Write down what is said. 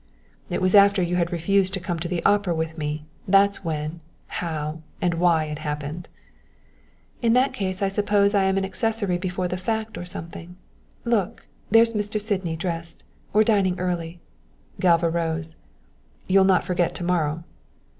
"It was after you had refused to come to the Opera with me, that's when, how, and why it happened." "In that case I suppose I am an accessory before the fact or something look, there's Mr. Sydney dressed; we're dining early." Galva rose. "You'll not forget to morrow?"